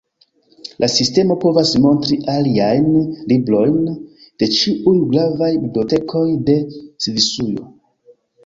La sistemo povas montri aliajn librojn de ĉiuj gravaj bibliotekoj de Svisujo.